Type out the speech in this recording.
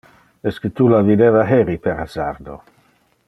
Esque tu la videva heri per hasardo?